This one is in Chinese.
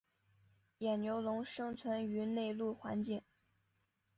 野牛龙生存于内陆环境。